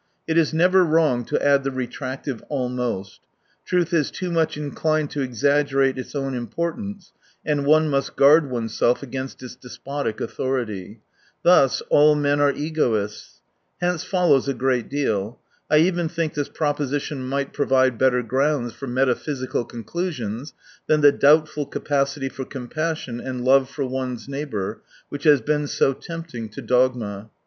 (It is never wrong to add the retractive " almost "; truth is too much inclined to exaggerate its own import ance, and one must guard oneself against its despotic authority.) Thus — all men are egoists. Hence follows a great deal. I even think this proposition might provide better grounds for metaphysical conclusions than the doubtful capacity for compassion and love for one's neighbour which has been so tempting to dogma.